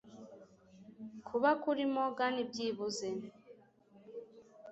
Kuba, kuri Morgan byibuze,